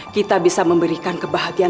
kita bisa memberikan kebahagiaan